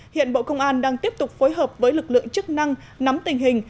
hiện bộ công an đang tiếp tục phối hợp với lực lượng chức năng nắm tình hình